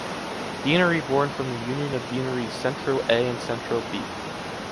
Deanery born from the union of deaneries “Centro A” and “Centro B”.